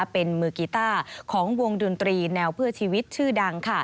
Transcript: เป็นมือกีต้าของวงดนตรีแนวเพื่อชีวิตชื่อดัง